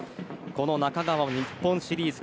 この中川は日本シリーズ